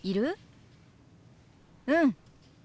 うん！